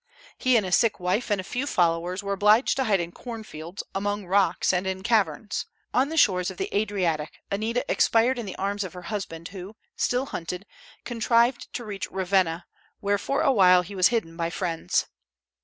He and his sick wife and a few followers were obliged to hide in cornfields, among rocks, and in caverns. On the shores of the Adriatic Anita expired in the arms of her husband, who, still hunted, contrived to reach Ravenna, where for a while he was hidden by friends.